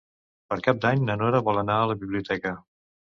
Per Cap d'Any na Nora vol anar a la biblioteca.